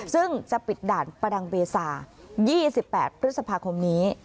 ซึ่งจะปิดด่านประดังเบซา๒๘พฤษภาคมนี้